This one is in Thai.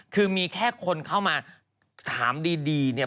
คือมีแค่คนเข้ามาถามดีเนี่ย